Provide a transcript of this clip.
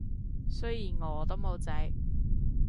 雖然我都冇仔